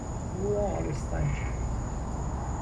او را آبستن کرد.